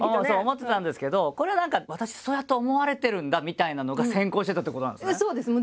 思ってたんですけどこれは何か私そうやって思われてるんだみたいなのが先行してたってことなんですね。